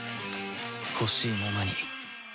ほしいままに